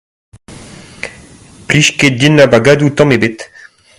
Ne blij ket din ar bagadoù tamm ebet.